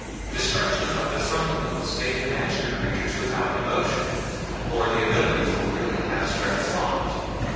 Destruction of the frontal lobes made the magter creatures without emotions or ability for really abstract thought.